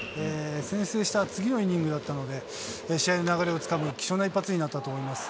先制した次のイニングだったので、試合の流れをつかむ貴重な一発になったと思います。